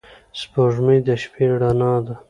سپوږمۍ د شپې رڼا ده